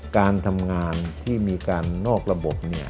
การทำงานที่มีการนอกระบบ